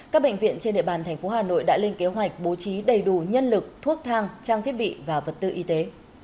các bệnh viện trên địa bàn thành phố hà nội đã lên kế hoạch bố trí đầy đủ nhân lực thuốc thang trang thiết bị và vật tư y tế